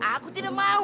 aku tidak mau